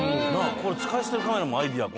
これ使い捨てのカメラもアイデア？